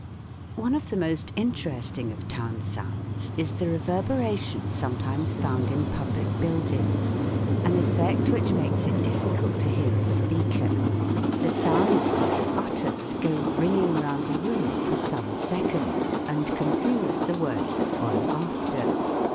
One of the most interesting of town sounds is the reverberation sometimes found in public buildings, an effect which makes it difficult to hear a speaker. The sounds that he utters go ringing round the room for some seconds, and confuse the words that follow after.